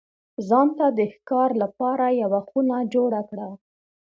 ځان ته د ښکار لپاره یوه خونه جوړه کړه.